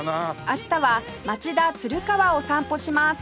明日は町田鶴川を散歩します